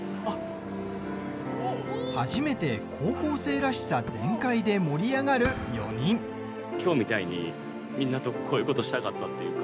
初めて高校生らしさ全開できょうみたいにみんなとこういうことしたかったっていうか。